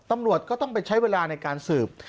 ตำรวจก็ต้องไปใช้เวลาในการสืบ